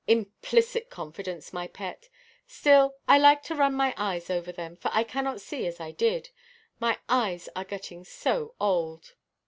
"Implicit confidence, my pet. Still I like to run my eyes over them, for I cannot see as I did. My eyes are getting so old."